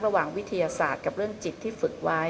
วิทยาศาสตร์กับเรื่องจิตที่ฝึกไว้